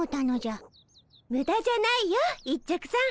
ムダじゃないよ一直さん。